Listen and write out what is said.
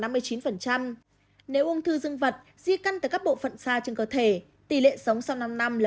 nếu ung thư dân vật di căn tại các bộ phận xa trên cơ thể tỷ lệ sống sau năm năm là một mươi một